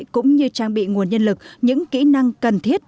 cũng như trang bị nguồn nhân lực những kỹ năng cần thiết